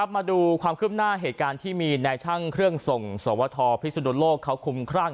มาดูความคืบหน้าเหตุการณ์ที่มีนายช่างเครื่องส่งสวทพิสุนโลกเขาคุ้มครั่ง